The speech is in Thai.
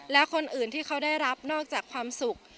แล้วคนอื่นที่เขาได้รับนอกจากความสุข